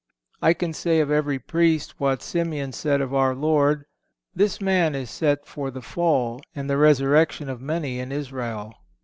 I can say of every Priest what Simeon said of our Lord, "This man is set for the fall and the resurrection of many in Israel."